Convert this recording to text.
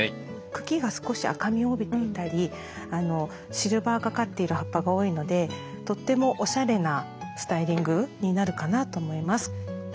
茎が少し赤みを帯びていたりシルバーがかっている葉っぱが多いのでとってもおしゃれなスタイリングになるかなと思います。